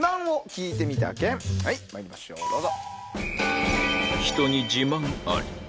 まいりましょうどうぞ。